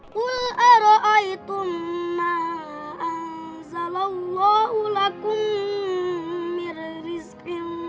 qul ara'aytum ma anzalallahu lakum mirrizqin